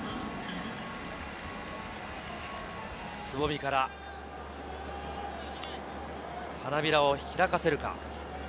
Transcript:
つぼみから花びらを開かせるか？